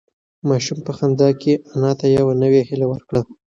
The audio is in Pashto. ماشوم په خندا کې انا ته یوه نوې هیله ورکړه.